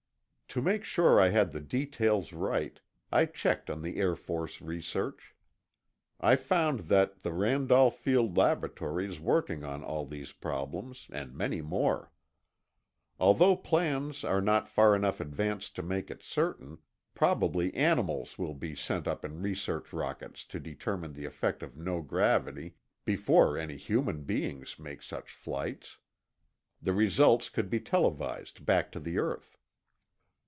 To make sure I had the details right, I checked on the Air Force research. I found that the Randolph Field laboratory is working on all these problems, and many more. Although plans arc not far enough advanced to make it certain, probably animals will be sent up in research rockets to determine the effect of no gravity before any human beings make such flights. The results could be televised back to the earth.